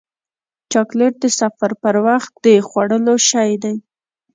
چاکلېټ د سفر پر وخت د خوړلو شی دی.